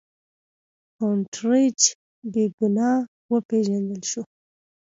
هونټریج بې ګناه وپېژندل شو.